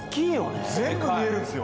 全部見えるんですよ。